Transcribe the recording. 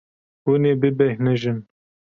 Hûn ê bibêhnijin.